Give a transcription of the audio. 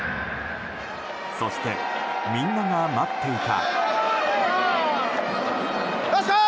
そしてみんなが待っていた。